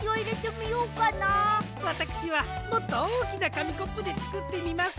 わたくしはもっとおおきなかみコップでつくってみます！